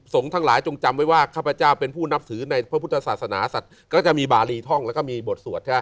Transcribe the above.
สงฆ์ทั้งหลายจงจำไว้ว่าข้าพเจ้าเป็นผู้นับสือพระพุทธศาสนาเราก็จะมีบาหลีท่องแล้วก็มีบทสวด